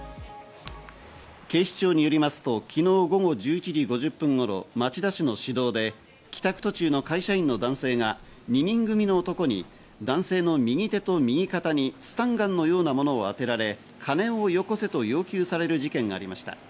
警視庁によりますと昨日午後１１時５０分頃、町田市の市道で帰宅途中の会社員の男性が２人組の男に男性の右手と右肩にスタンガンのようなもの当てられ、金をよこせと要求される事件がありました。